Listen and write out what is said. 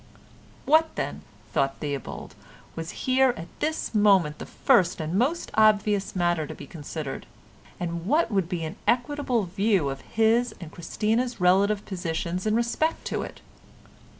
What, then, thought Theobald, was here at this moment the first and most obvious matter to be considered, and what would be an equitable view of his and Christina's relative positions in respect to it?